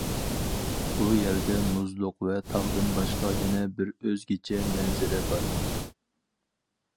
بۇ يەردە مۇزلۇق ۋە تاغدىن باشقا يەنە بىر ئۆزگىچە مەنزىرە بار.